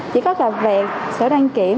chỉ có gặp về sổ đăng ký